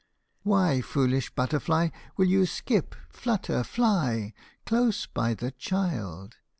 Why, foolish butterfly, Will you skip, flutter, fly Close by the child